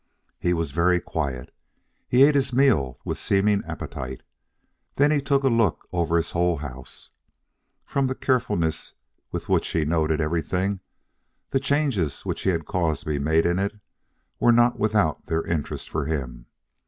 He was very quiet. He ate his meal with seeming appetite. Then he took a look over his whole house. From the carefulness with which he noted everything, the changes which he had caused to be made in it were not without their interest for him.